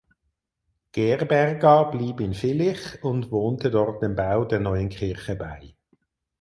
Gerberga blieb in Vilich und wohnte dort dem Bau der neuen Kirche bei.